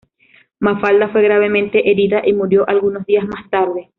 Mafalda fue gravemente herida y murió algunos días más tarde.